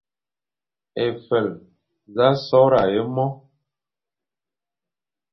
Éfel sa sorga e mo.